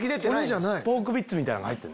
ポークビッツみたいのが入ってる。